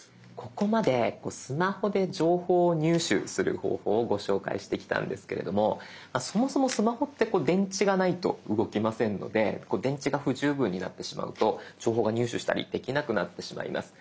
ここまでスマホで情報を入手する方法をご紹介してきたんですけれどもそもそもスマホって電池がないと動きませんので電池が不十分になってしまうと情報が入手したりできなくなってしまいます。